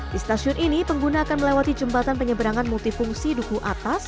di stasiun ini pengguna akan melewati jembatan penyeberangan multifungsi duku atas